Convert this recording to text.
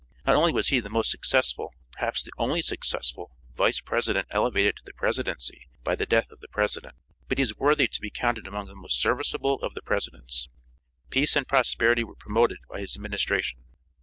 Not only was he the most successful perhaps the only successful Vice President elevated to the Presidency by the death of the President, but he is worthy to be counted among the most serviceable of the Presidents. Peace and prosperity were promoted by his administration.